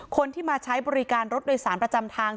คนที่มาใช้บริการรถโดยสารประจำทาง